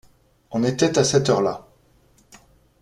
On était à cette heure-là.